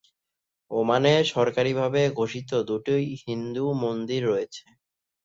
ওমানের সরকারিভাবে ঘোষিত দুটি হিন্দু মন্দির রয়েছে।